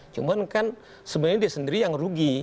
cuman kan sebenarnya dia sendiri yang rugi